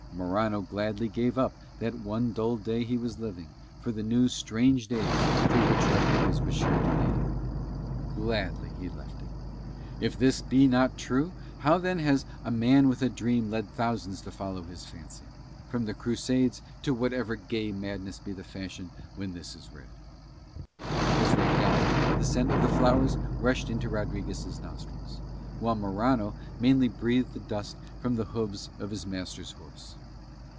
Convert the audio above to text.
Morano gladly gave up that one dull day he was living for the new strange days through which Rodriguez was sure to lead him. Gladly he left it: if this be not true how then has a man with a dream led thousands to follow his fancy, from the Crusades to whatever gay madness be the fashion when this is read? As they galloped the scent of the flowers rushed into Rodriguez' nostrils, while Morano mainly breathed the dust from the hooves of his master's horse.